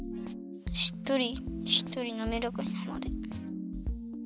しっとりしっとりなめらかになるまで。